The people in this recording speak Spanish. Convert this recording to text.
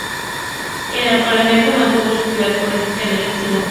En paralelo, mantuvo su actividad política en el exilio.